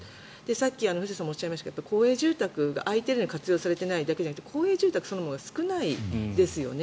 さっき、藤田さんもおっしゃいましたが公営住宅が空いているのに活用されていないだけじゃなくて公営住宅そのものが少ないですよね。